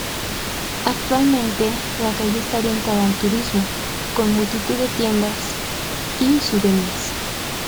Actualmente la calle está orientada al turismo, con multitud de tiendas y "souvenirs".